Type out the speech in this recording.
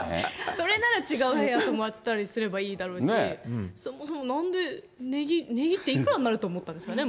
それなら違う部屋泊まったりすればいいだろうし、そもそもなんで値切っていくらになると思ったんですかね。